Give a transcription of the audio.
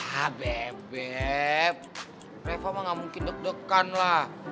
ah beb beb reva mah gak mungkin deg degan lah